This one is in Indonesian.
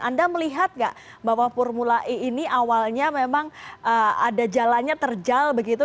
anda melihat nggak bahwa formula e ini awalnya memang ada jalannya terjal begitu